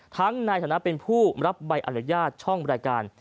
ทั้งนายธนาคมเป็นผู้รับใบอนุญาตช่องบริการ